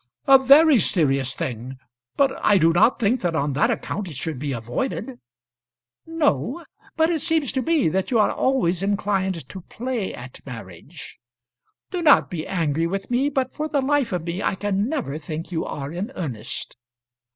"A very serious thing; but I do not think that on that account it should be avoided." "No; but it seems to me that you are always inclined to play at marriage. Do not be angry with me, but for the life of me I can never think you are in earnest."